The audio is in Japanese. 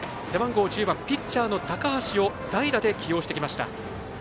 背番号１０番ピッチャーの高橋代打で起用してきました。